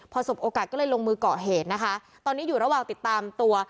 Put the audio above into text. พอสบโอกาสก็เลยลงมือก่อเหตุนะคะตอนนี้อยู่ระหว่างติดตามตัว